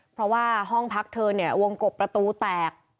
เพราะว่าห้องพักเธอเนี่ยวงกบประตูแตก